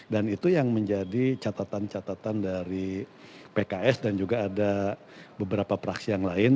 dan itu yang menjadi catatan catatan dari pks dan juga ada beberapa praksi yang lain